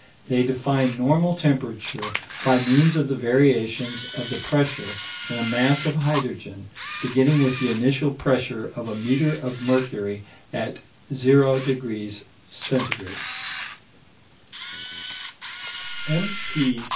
They define normal temperature by means of the variations of pressure in a mass of hydrogen beginning with the initial pressure of a metre of mercury at 0° C. M.P.